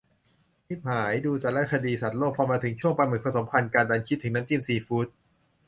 ชิบหาย ! ดูสารคดีสัตว์โลก พอมาถึงช่วงปลาหมึกผสมพันธุ์กัน ดันคิดถึงน้ำจิ้มซีฟู๊ด !